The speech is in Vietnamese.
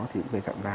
thì cũng gây sạm da